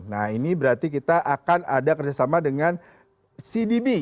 nah ini berarti kita akan ada kerjasama dengan cdb